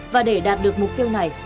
và để đạt được mục tiêu này